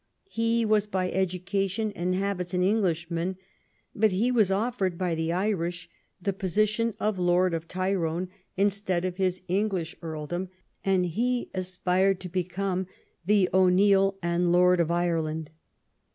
He was by education and habits an Englishman ; but he was offered by the Irish the position of Lord of Tyrone, instead of his English earldom, and he aspired to become the LAST YEARS OF ELIZABETH. 285 O'Neill, ^nd Lord of Ireland.